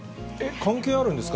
関係あるんですか？